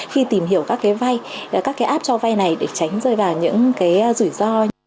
khi tìm hiểu các cái vay các cái app cho vay này để tránh rơi vào những cái rủi ro